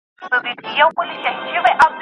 که په برخه یې د ښکار غوښي نعمت و